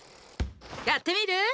やってみる？